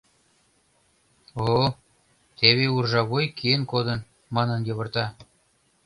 «О-о, теве уржа вуй киен кодын» манын йывырта.